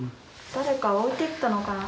誰か置いてったのかな？